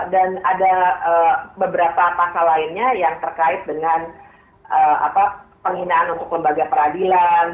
dan ada beberapa pasal lainnya yang terkait dengan penghinaan untuk lembaga peradilan